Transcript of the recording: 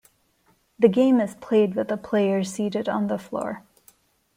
The game is played with the players seated on the floor.